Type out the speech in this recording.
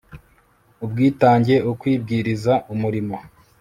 ubwitange, ukwibwiriza umurimo